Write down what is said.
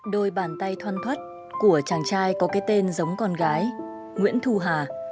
đôi bàn tay thoăn thoát của chàng trai có cái tên giống con gái nguyễn thu hà